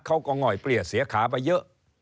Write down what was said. เขาก็ง่อยเปรียเสียขาไปเยอะ